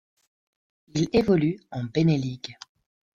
Il évolue en BeNe League.